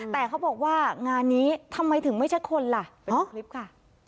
แต่เขาบอกว่างานนี้ทำไมถึงไม่ใช่คนล่ะเนาะคลิปค่ะ